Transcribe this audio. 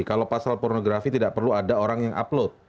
kalau pasal pornografi tidak perlu ada orang yang upload